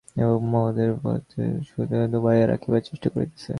এবং মদের পাত্রের মধ্যে মনের সমুদয় আশঙ্কা ডুবাইয়া রাখিবার চেষ্টা করিতেছে।